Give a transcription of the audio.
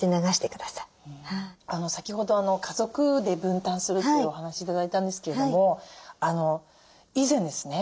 先ほど家族で分担するというお話頂いたんですけれども以前ですね